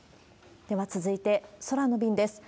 では続いて、空の便です。